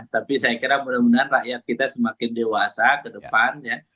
tapi saya kira benar benar rakyat kita semakin dewasa ke depannya